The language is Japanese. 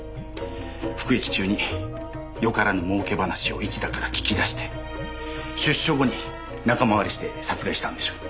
服役中によからぬ儲け話を市田から聞き出して出所後に仲間割れして殺害したんでしょう。